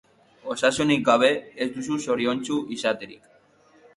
Osasunik gabe ez duzu zoriontsu izaterik.